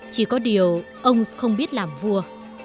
chỉ có điều ông không biết làm vua